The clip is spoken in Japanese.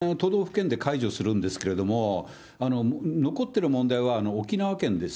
緊急事態宣言、ほとんどの都道府県で解除するんですけれども、残ってる問題は沖縄県です。